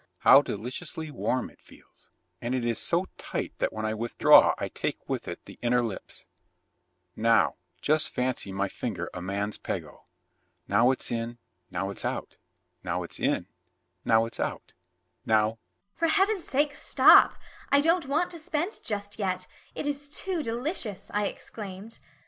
"How deliciously warm it feels, and it is so tight that when I withdraw I take with it the inner lips. Now just fancy my finger a man's pego now it's in, now it's out now it's in now it's out now ." "For Heaven's sake stop! I don't want to spend just yet. It is too delicious," I exclaimed.